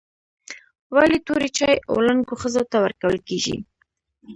ولي توري چای و لنګو ښځو ته ورکول کیږي؟